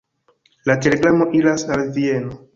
La telegramo iras al Vieno.